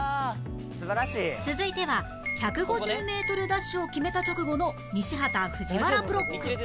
続いては１５０メートルダッシュを決めた直後の西畑・藤原ブロック